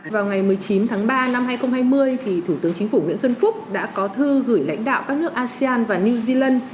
vào ngày một mươi chín tháng ba năm hai nghìn hai mươi thủ tướng chính phủ nguyễn xuân phúc đã có thư gửi lãnh đạo các nước asean và new zealand